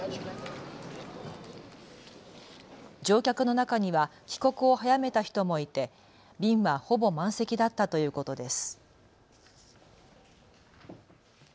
乗客の中には帰国を早めた人もいて、便はほぼ満席だったということです。